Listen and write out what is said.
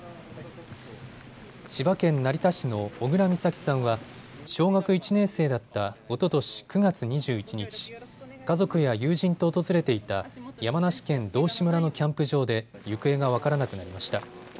千葉県成田市の小倉美咲さんは小学１年生だったおととし９月２１日、家族や友人と訪れていた山梨県道志村のキャンプ場で行方が分からなくなりました。